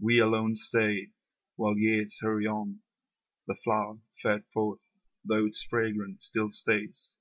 We alone stay While years hurry on, The flower fared forth, though its fragrance still stays.